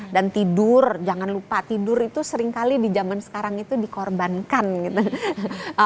dan tidur jangan lupa tidur itu seringkali di zaman sekarang itu dikorbankan gitu